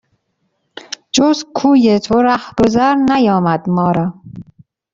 جز کوی تو رهگذر نیامد ما را